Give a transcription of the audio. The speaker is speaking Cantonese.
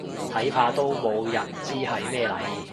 睇怕都冇人知係咩嚟